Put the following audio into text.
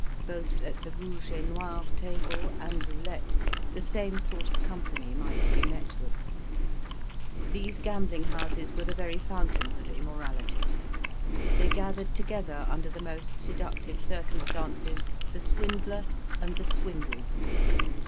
Both at the rouge et noir table and roulette the same sort of company might be met with. These gambling houses were the very fountains of immorality: they gathered together, under the most seductive circumstances, the swindler and the swindled.